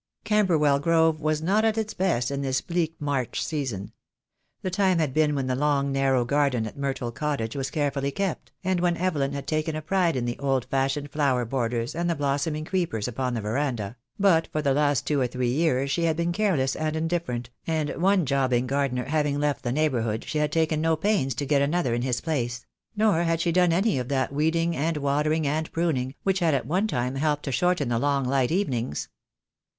Camberwell Grove was not at its best in this bleak March season. The time had been when the long narrow garden at Myrtle Cottage was carefully kept, and when Evelyn had taken a pride in the old fashioned flower borders and the blossoming creepers upon the verandah, but for the last two or three years she had been careless and indifferent, and one jobbing gardener having left the neighbourhood she had taken no pains to get another in his place; nor had she done any of that weeding and watering and pruning, which had at one time helped to shorten the long light evenings.